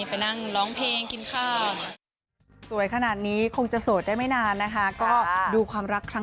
ไปนั่งร้องเพลงกินข้าว